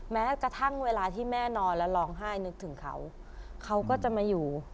แม้กระทั่งเวลาที่แม่นอนแล้วร้องไห้นึกถึงเขาเขาก็จะมาอยู่